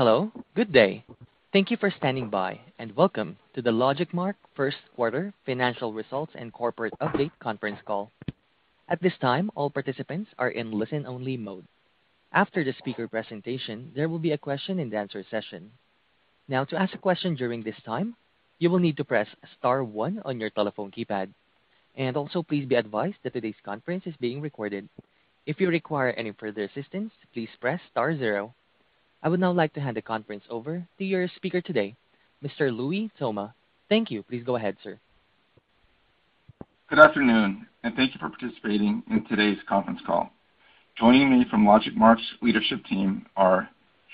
Hello, good day. Thank you for standing by and welcome to the LogicMark First Quarter Financial Results and Corporate Update conference call. At this time, all participants are in listen-only mode. After the speaker presentation, there will be a question-and-answer session. Now, to ask a question during this time, you will need to press star one on your telephone keypad. Also please be advised that today's conference is being recorded. If you require any further assistance, please press star zero. I would now like to hand the conference over to your speaker today, Mr. Louie Toma. Thank you. Please go ahead, sir. Good afternoon, and thank you for participating in today's conference call. Joining me from LogicMark's leadership team are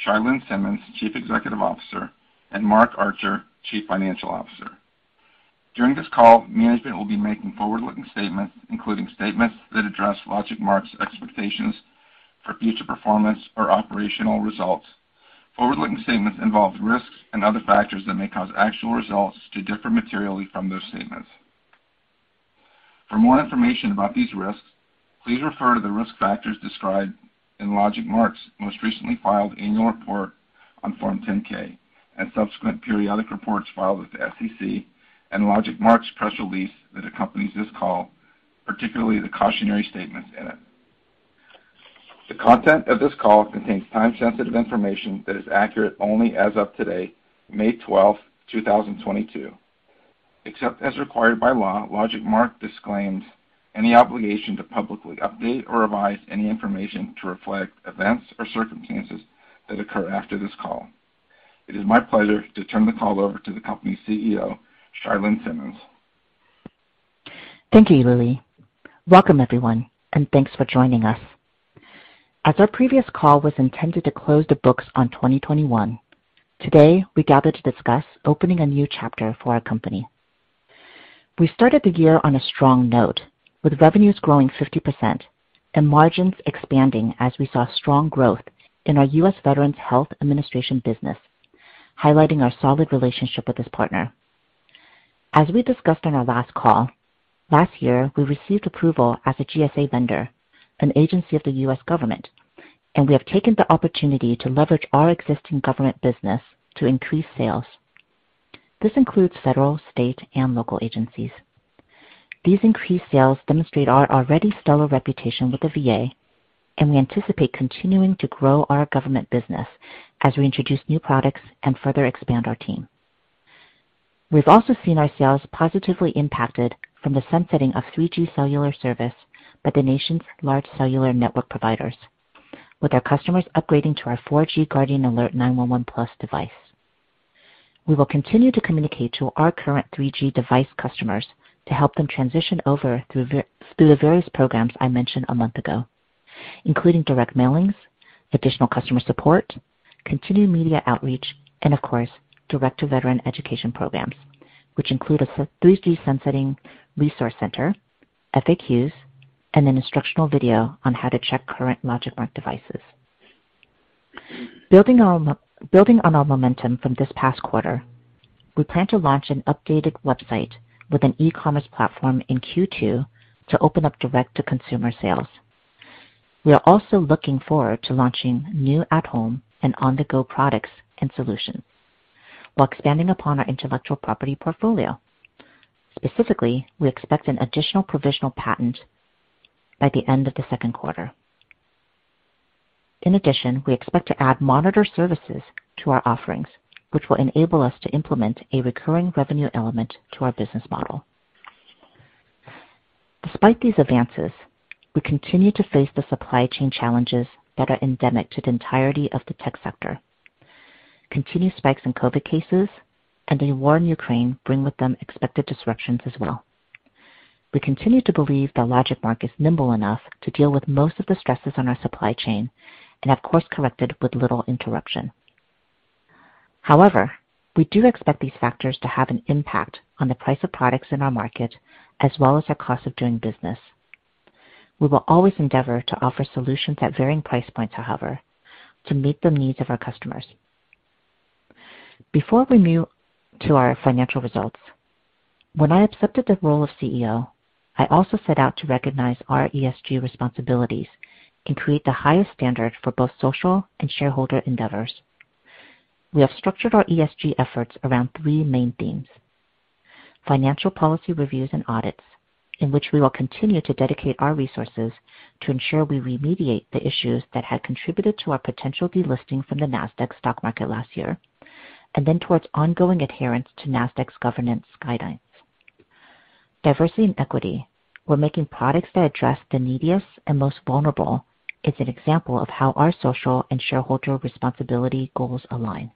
Chia-Lin Simmons, Chief Executive Officer, and Mark Archer, Chief Financial Officer. During this call, management will be making forward-looking statements, including statements that address LogicMark's expectations for future performance or operational results. Forward-looking statements involve risks and other factors that may cause actual results to differ materially from those statements. For more information about these risks, please refer to the risk factors described in LogicMark's most recently filed annual report on Form 10-K and subsequent periodic reports filed with the SEC and LogicMark's press release that accompanies this call, particularly the cautionary statements in it. The content of this call contains time-sensitive information that is accurate only as of today, May 12,2022. Except as required by law, LogicMark disclaims any obligation to publicly update or revise any information to reflect events or circumstances that occur after this call. It is my pleasure to turn the call over to the company CEO, Chia-Lin Simmons. Thank you, Louie. Welcome, everyone, and thanks for joining us. As our previous call was intended to close the books on 2021, today we gather to discuss opening a new chapter for our company. We started the year on a strong note, with revenues growing 50% and margins expanding as we saw strong growth in our U.S. Veterans Health Administration business, highlighting our solid relationship with this partner. As we discussed on our last call, last year we received approval as a GSA vendor, an agency of the U.S. government, and we have taken the opportunity to leverage our existing government business to increase sales. This includes federal, state and local agencies. These increased sales demonstrate our already stellar reputation with the VA, and we anticipate continuing to grow our government business as we introduce new products and further expand our team. We've also seen our sales positively impacted from the sunsetting of 3G cellular service by the nation's large cellular network providers. With our customers upgrading to our 4G Guardian Alert 911+ device. We will continue to communicate to our current 3G device customers to help them transition over through the various programs I mentioned a month ago, including direct mailings, additional customer support, continued media outreach, and of course, direct-to-veteran education programs, which include a 3G sunsetting resource center, FAQs, and an instructional video on how to check current LogicMark devices. Building on our momentum from this past quarter, we plan to launch an updated website with an e-commerce platform in Q2 to open up direct-to-consumer sales. We are also looking forward to launching new at home and on-the-go products and solutions while expanding upon our intellectual property portfolio. Specifically, we expect an additional provisional patent by the end of the second quarter. In addition, we expect to add monitor services to our offerings, which will enable us to implement a recurring revenue element to our business model. Despite these advances, we continue to face the supply chain challenges that are endemic to the entirety of the tech sector. Continued spikes in COVID cases and a war in Ukraine bring with them expected disruptions as well. We continue to believe that LogicMark is nimble enough to deal with most of the stresses on our supply chain and have course-corrected with little interruption. However, we do expect these factors to have an impact on the price of products in our market as well as our cost of doing business. We will always endeavor to offer solutions at varying price points, however, to meet the needs of our customers. Before we move to our financial results, when I accepted the role of CEO, I also set out to recognize our ESG responsibilities and create the highest standard for both social and shareholder endeavors. We have structured our ESG efforts around three main themes. Financial policy reviews and audits, in which we will continue to dedicate our resources to ensure we remediate the issues that had contributed to our potential delisting from the Nasdaq stock market last year, and then towards ongoing adherence to Nasdaq's governance guidelines. Diversity and equity, where making products that address the neediest and most vulnerable is an example of how our social and shareholder responsibility goals align.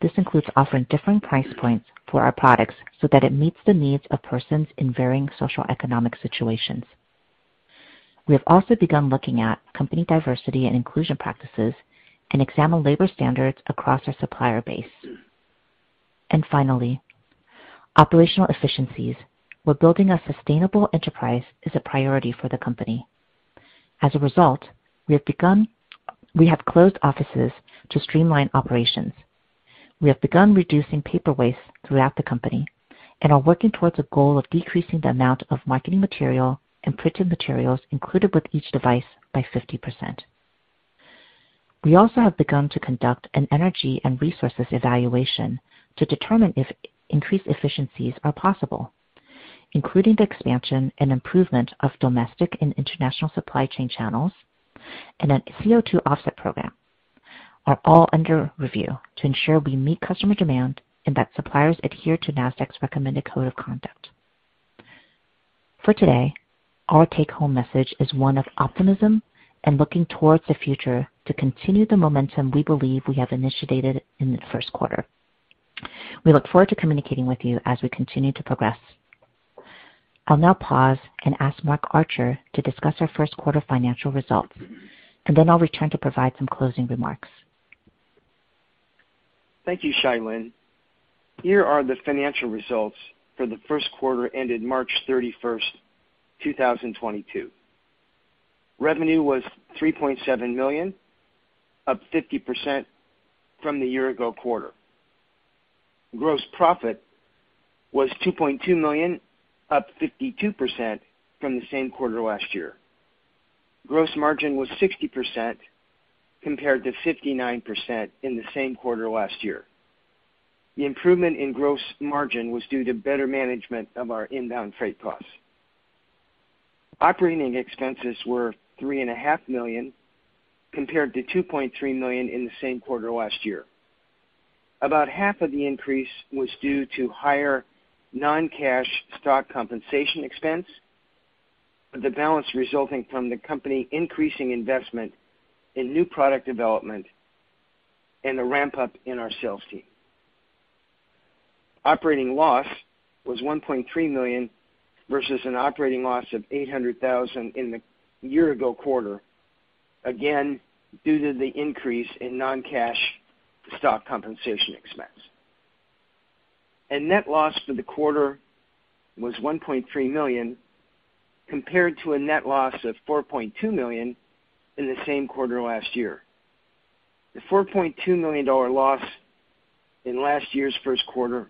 This includes offering different price points for our products so that it meets the needs of persons in varying socioeconomic situations. We have also begun looking at company diversity and inclusion practices and examine labor standards across our supplier base. Finally, operational efficiencies, where building a sustainable enterprise is a priority for the company. As a result, we have closed offices to streamline operations. We have begun reducing paper waste throughout the company and are working towards a goal of decreasing the amount of marketing material and printed materials included with each device by 50%. We also have begun to conduct an energy and resources evaluation to determine if increased efficiencies are possible, including the expansion and improvement of domestic and international supply chain channels and a CO2 offset program, are all under review to ensure we meet customer demand and that suppliers adhere to Nasdaq's recommended code of conduct. For today, our take home message is one of optimism and looking towards the future to continue the momentum we believe we have initiated in the first quarter. We look forward to communicating with you as we continue to progress. I'll now pause and ask Mark Archer to discuss our first quarter financial results, and then I'll return to provide some closing remarks. Thank you, Simmons. Here are the financial results for the first quarter ended March 31, 2022. Revenue was $3.7 million, up 50% from the year-ago quarter. Gross profit was $2.2 million, up 52% from the same quarter last year. Gross margin was 60% compared to 59% in the same quarter last year. The improvement in gross margin was due to better management of our inbound freight costs. Operating expenses were $3.5 million, compared to $2.3 million in the same quarter last year. About half of the increase was due to higher non-cash stock compensation expense, but the balance resulting from the company increasing investment in new product development and the ramp up in our sales team. Operating loss was $1.3 million versus an operating loss of $800,000 in the year ago quarter. Again, due to the increase in non-cash stock compensation expense. Net loss for the quarter was $1.3 million, compared to a net loss of $4.2 million in the same quarter last year. The $4.2 million dollar loss in last year's first quarter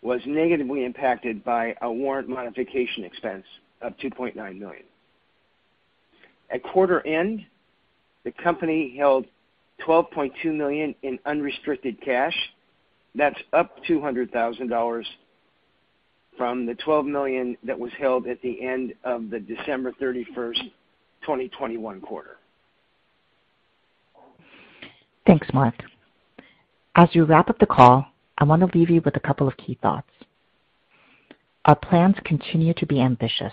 was negatively impacted by a warrant modification expense of $2.9 million. At quarter end, the company held $12.2 million in unrestricted cash. That's up $200,000 from the $12 million that was held at the end of the December 31, 2021 quarter. Thanks, Mark. As we wrap up the call, I wanna leave you with a couple of key thoughts. Our plans continue to be ambitious,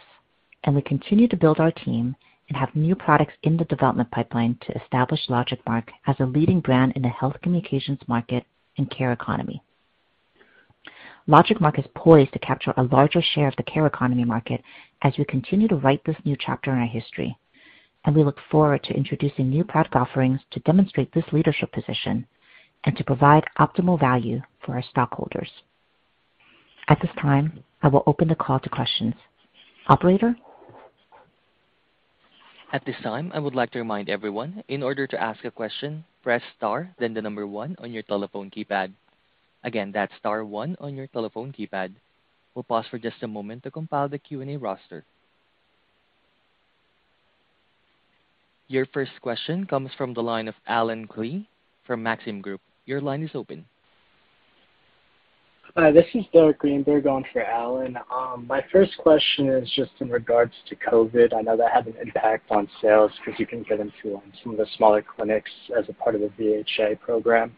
and we continue to build our team and have new products in the development pipeline to establish LogicMark as a leading brand in the health communications market and care economy. LogicMark is poised to capture a larger share of the care economy market as we continue to write this new chapter in our history. We look forward to introducing new product offerings to demonstrate this leadership position and to provide optimal value for our stockholders. At this time, I will open the call to questions. Operator? At this time, I would like to remind everyone, in order to ask a question, press star then the number one on your telephone keypad. Again, that's star one on your telephone keypad. We'll pause for just a moment to compile the Q&A roster. Your first question comes from the line of Allen Klee from Maxim Group. Your line is open. Hi, this is Derek Greenberg on for Allen. My first question is just in regards to COVID. I know that had an impact on sales 'cause you can't get into some of the smaller clinics as a part of the VHA program.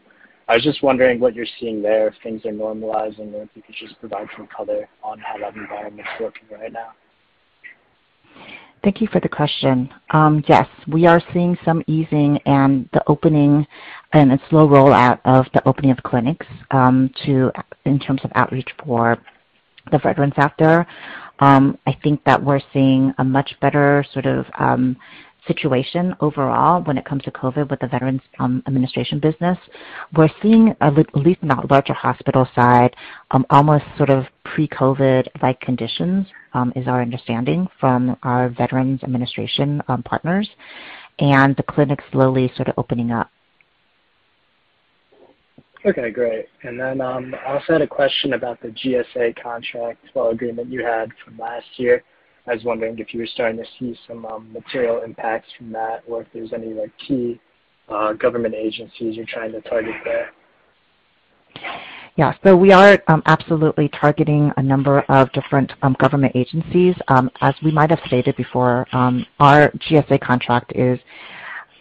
I was just wondering what you're seeing there, if things are normalizing there. If you could just provide some color on how that environment is working right now. Thank you for the question. Yes, we are seeing some easing and the opening and a slow rollout of the opening of clinics in terms of outreach for the veterans out there. I think that we're seeing a much better sort of situation overall when it comes to COVID with the Veterans Administration business. We're seeing at least in the larger hospital side almost sort of pre-COVID like conditions is our understanding from our Veterans Administration partners and the clinics slowly sort of opening up. Okay, great. I also had a question about the GSA contract as well, agreement you had from last year. I was wondering if you were starting to see some material impacts from that or if there's any, like, key government agencies you're trying to target there. Yeah. We are absolutely targeting a number of different government agencies. As we might have stated before, our GSA contract is,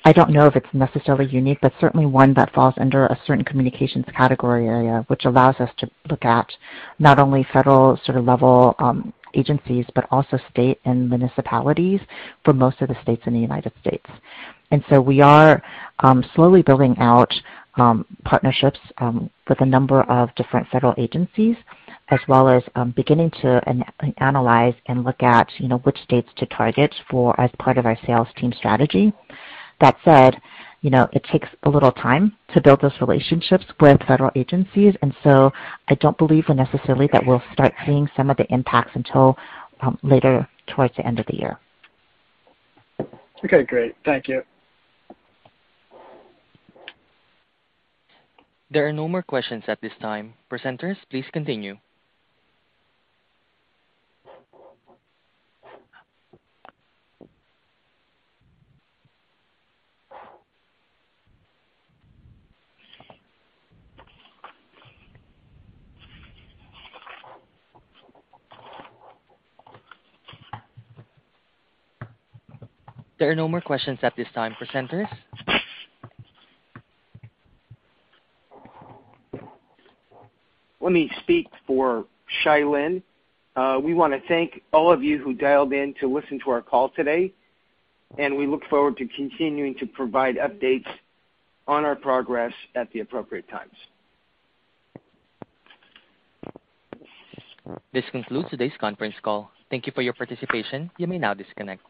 I don't know if it's necessarily unique, but certainly one that falls under a certain communications category area, which allows us to look at not only federal sort of level agencies, but also state and municipalities for most of the states in the United States. We are slowly building out partnerships with a number of different federal agencies, as well as beginning to analyze and look at, you know, which states to target for as part of our sales team strategy. That said, you know, it takes a little time to build those relationships with federal agencies, and so I don't believe that we'll necessarily start seeing some of the impacts until later towards the end of the year. Okay, great. Thank you. There are no more questions at this time. Presenters, please continue. There are no more questions at this time, presenters. Let me speak for Chia-Lin Simmons. We wanna thank all of you who dialed in to listen to our call today, and we look forward to continuing to provide updates on our progress at the appropriate times. This concludes today's conference call. Thank you for your participation. You may now disconnect.